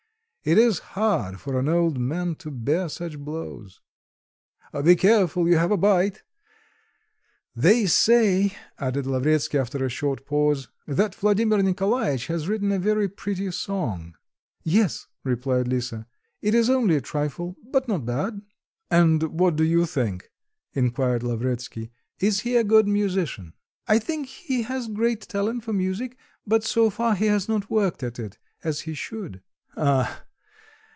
It is hard for an old man to bear such blows!... Be careful, you have a bite.... They say," added Lavretsky after a short pause, "that Vladimir Nikolaitch has written a very pretty song." "Yes," replied Lisa, "it is only a trifle, but not bad." "And what do you think," inquired Lavretsky; "is he a good musician?" "I think he has great talent for music; but so far he has not worked at it, as he should." "Ah!